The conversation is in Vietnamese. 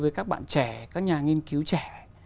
với các bạn trẻ các nhà nghiên cứu trẻ